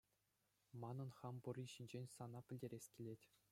Манӑн хам пурри ҫинчен сана пӗлтерес килет.